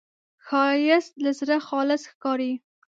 ښایست له زړه خالص ښکاري